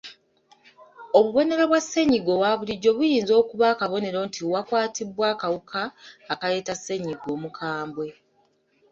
Obubonero bwa ssennyiga owa bulijjo buyinza okuba akabonero nti wakwatibwa akawuka akaleeta ssennyiga omukambwe.